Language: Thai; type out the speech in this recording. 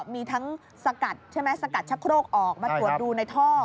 มีทั้งสักกัดจะโครครกออกมาตรวจดูในท่อ